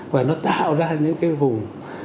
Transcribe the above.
và nó tạo ra những cái vùng